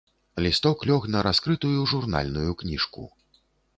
Лісток лёг на раскрытую журнальную кніжку.